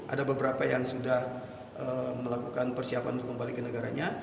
ada beberapa yang sudah melakukan persiapan untuk kembali ke negaranya